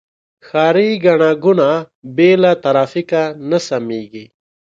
ښاري ګڼه ګوڼه بې له ترافیکه نه سمېږي.